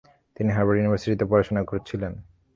তিনি হার্ভার্ড ইউনিভার্সিটিতে পড়াশুনা করছিলেন।